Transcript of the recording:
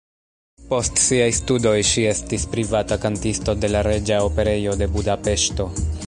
Post siaj studoj ŝi estis privata kantisto de la Reĝa Operejo de Budapeŝto.